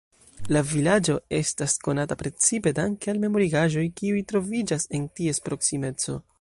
La vilaĝo estas konata precipe danke al memorigaĵoj, kiuj troviĝas en ties proksimeco.